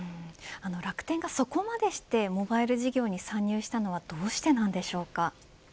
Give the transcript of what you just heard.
楽天がそこまでしてモバイル事業に参入したのはどうしてなんでしょうか。